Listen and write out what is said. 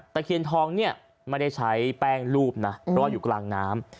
ตะเคียนทองเนี่ยไม่ได้ใช้แป้งรูปนะเพราะว่าอยู่กลางน้ำ